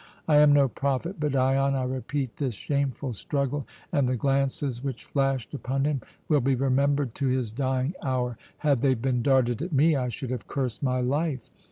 I am no prophet, but Dion, I repeat, this shameful struggle and the glances which flashed upon him will be remembered to his dying hour. Had they been darted at me, I should have cursed my life.